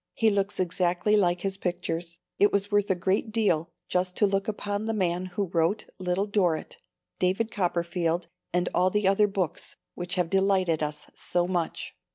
He looks exactly like his pictures. It was worth a great deal just to look upon the man who wrote Little Dorrit, David Copperfield and all the other books, which have delighted us so much.